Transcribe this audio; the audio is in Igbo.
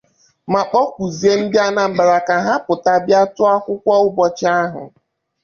ma kpọkuzie ndị Anambra ka ha pụta bịa tụọ akwụkwọ ụbọchị ahụ